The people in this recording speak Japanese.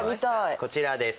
こちらです。